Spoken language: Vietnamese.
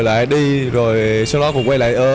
lại đi rồi sau đó cũng quay lại ớ